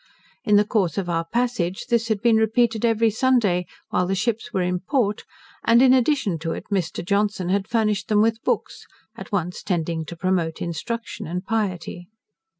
In the course of our passage this had been repeated every Sunday, while the ships were in port; and in addition to it, Mr. Johnson had furnished them with books, at once tending to promote instruction and piety.